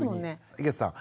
井桁さん。